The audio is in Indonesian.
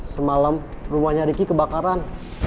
semalam rumahnya riki kebakaran